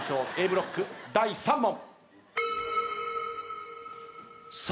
Ａブロック第３問。